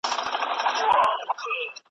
نور پردی ورڅخه وس له ژونده موړ دی .